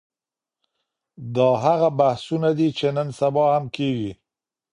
دا هغه بحثونه دي چي نن سبا هم کېږي.